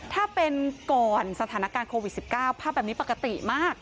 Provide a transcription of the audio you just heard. ถ้าเป็นก่อนสถานการณ์โควิด๑๙ภาพแบบนี้ปกติมาก